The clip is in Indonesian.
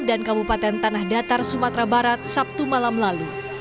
dan kabupaten tanah datar sumatera barat sabtu malam lalu